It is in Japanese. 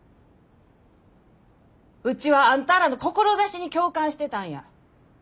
うちはあんたらの志に共感してたんや。